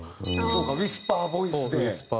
そうウィスパーボイス。